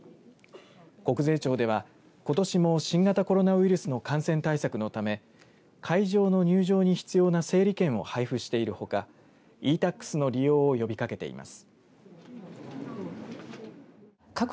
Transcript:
国税庁では、ことしも新型コロナウイルスの感染対策のため会場の入場に必要な整理券を配布しているほかｅ‐Ｔａｘの利用を呼びかけています。